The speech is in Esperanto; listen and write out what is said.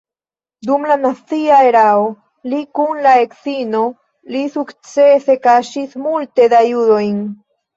Dum la nazia erao li kun la edzino li sukcese kaŝis multe da judojn.